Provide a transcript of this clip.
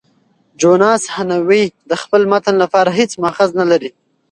جوناس هانوې د خپل متن لپاره هیڅ مأخذ نه لري.